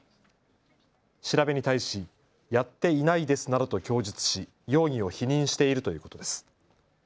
調べに対しやっていないですなどと供述し容疑を否認しているということです。